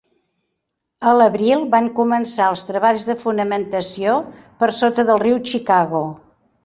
A l'abril, van començar els treballs de fonamentació per sota del riu Chicago.